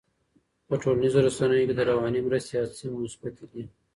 په ټولنیزو رسنیو کې د رواني مرستې هڅې مثبتې دي.